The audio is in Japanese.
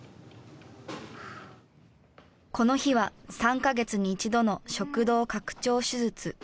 この日は３カ月に１度の食道拡張手術。